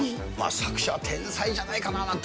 作者は天才じゃないかな